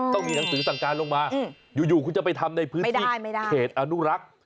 ต้องมีหนังสือสั่งการลงมาอยู่คุณจะไปทำในพื้นที่เขตอนุรักษ์